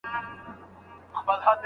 شاګرد خپله مقاله لیکله کله چي استاد راغی.